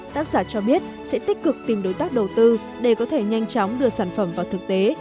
tác giả cho biết sẽ tích cực tìm đối tác đầu tư để có thể nhanh chóng đưa sản phẩm vào thực tế